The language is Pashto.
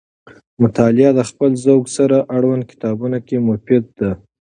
مطالعه د خپل ذوق سره اړوند کتابونو کې مفیده ده.